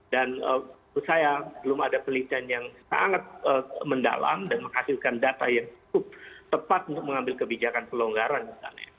dan saya belum ada pelitian yang sangat mendalam dan menghasilkan data yang cukup tepat untuk mengambil kebijakan pelonggaran misalnya